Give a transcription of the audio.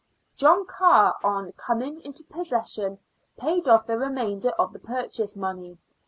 John Carr, on coming into possession, paid off the remainder of the purchase money.